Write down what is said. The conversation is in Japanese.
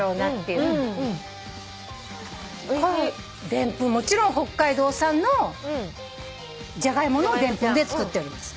でんぷんもちろん北海道産のジャガイモのでんぷんで作っております。